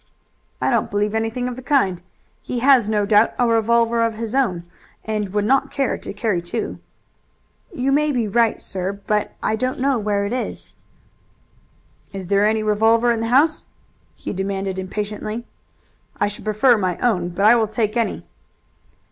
"I don't believe anything of the kind. He had no doubt a revolver of his own, and would not care to carry two." "You may be right, sir, but I don't know where it is." "Is there any revolver in the house?" he demanded impatiently. "I should prefer my own, but I will take any."